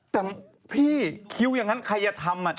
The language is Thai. แต่พี่คิวอย่างนั้นใครจะทำ